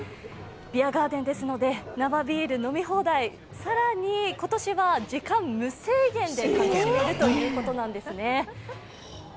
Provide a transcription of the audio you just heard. ビアガーデンですので生ビール飲み放題更に今年は時間無制限で楽しめるということなんですね。